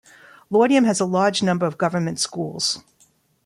Laudium has a large number of government schools.